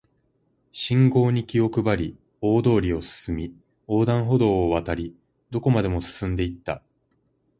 信号に気を配り、大通りを進み、横断歩道を渡り、どこまでも進んで行った